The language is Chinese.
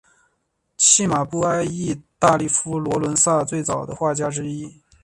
契马布埃意大利佛罗伦萨最早的画家之一。